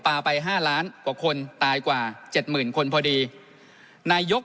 ไปห้าล้านกว่าคนตายกว่าเจ็ดหมื่นคนพอดีนายก